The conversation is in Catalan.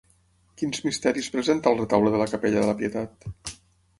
Quins misteris presenta el retaule de la capella de la Pietat?